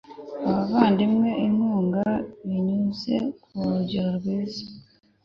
abavandimwe inkunga binyuze ku rugero rwiza